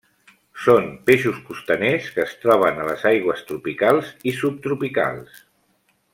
Són peixos costaners que es troben a les aigües tropicals i subtropicals.